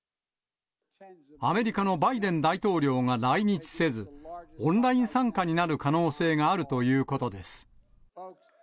アメリカのバイデン大統領が来日せず、オンライン参加になる可能性があるということです。